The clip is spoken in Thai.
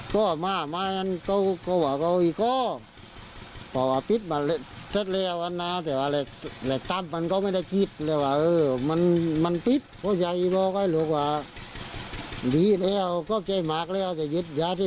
แต่จะกลับกลับไปแล้วไม่ได้หวาบหลี